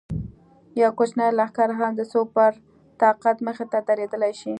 یو کوچنی لښکر هم د سوپر طاقت مخې ته درېدلی شي.